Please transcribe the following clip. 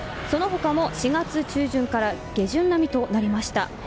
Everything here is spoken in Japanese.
その他も４月中旬から下旬並みとなりました。